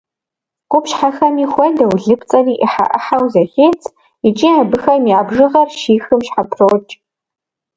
Къупщхьэхэми хуэдэу, лыпцӏэри ӏыхьэ-ӏыхьэу зэхедз, икӏи абыхэм я бжыгъэр щихым щхьэпрокӏ.